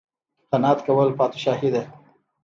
قناعت کول پادشاهي ده